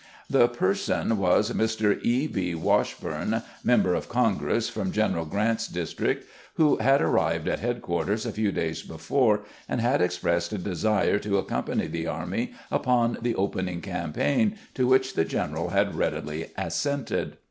The person was Mr. E. B. Washburne, member of Congress from Q eneral G rant's district, who had ar rived at headquarters a few days before, and had expressed a desire to accompany the army upon the opening campaign, to which the general had readily as sented.